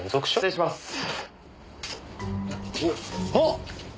あっ！